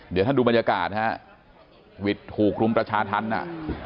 เดี๋ยวท่านดูบรรยากาศฮะวิทย์ถูกรุมประชาธรรมอ่ะ